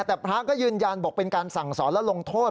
แต่พระก็ยืนยันบอกเป็นการสั่งสอนและลงโทษ